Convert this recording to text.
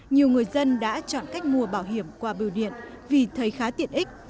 nhiều người dân đã chọn cách mua bảo hiểm qua biểu điện vì thấy khá tiện ích